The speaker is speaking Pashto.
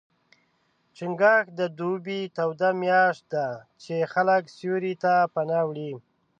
چنګاښ د دوبي توده میاشت ده، چې خلک سیوري ته پناه وړي.